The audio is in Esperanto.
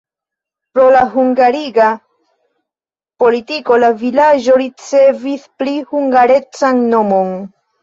Pro la hungariga politiko la vilaĝo ricevis pli hungarecan nomon.